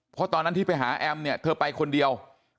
เพราะตอนนั้นที่ไปหาแอมเนี่ยเธอไปคนเดียว